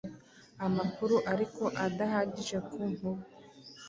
amakuru ariko adahagije ku nkuba,